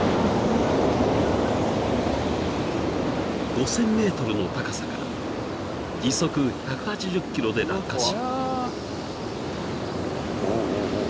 ［５，０００ｍの高さから時速１８０キロで落下し］